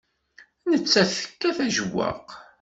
Nettat tekkat ajewwaq.